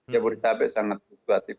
jabodetabek sangat fluktuatif